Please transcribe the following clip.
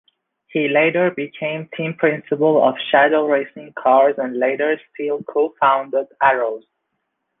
He later became team principal of Shadow Racing Cars, and later still co-founded Arrows.